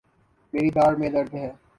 میری داڑھ میں درد ہے